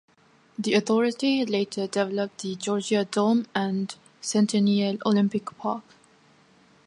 The authority later developed the Georgia Dome and Centennial Olympic Park.